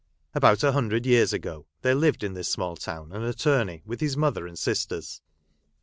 About a hundred years ago there lived in this small town an attorney, with his mother and sisters.